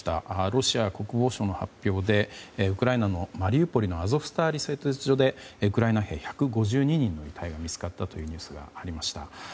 ロシア国防省の発表でウクライナのマリウポリのアゾフスタリ製鉄所でウクライナ兵１５２人の遺体が見つかったというニュースがありました。